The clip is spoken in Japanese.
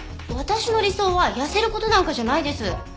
私の理想は痩せる事なんかじゃないです。